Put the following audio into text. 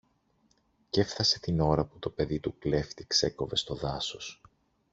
κι έφθασε την ώρα που το παιδί του κλέφτη ξέκοβε στο δάσος.